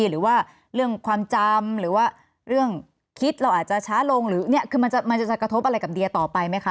หรือว่าเรื่องความจำหรือว่าเรื่องคิดเราอาจจะช้าลงหรือเนี่ยคือมันจะจะกระทบอะไรกับเดียต่อไปไหมคะ